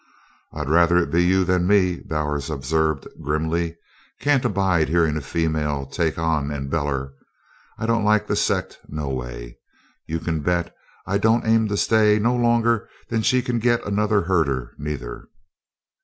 "I'd ruther it ud be you than me," Bowers observed grimly. "Can't abide hearin' a female take on and beller. I don't like the sect, noway. You kin bet I don't aim to stay no longer than she kin git another herder, neither."